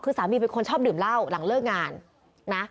คือสามีเป็นคนชอบดื่มเหล้าหลังเลิกงานนะ